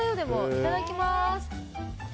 いただきます。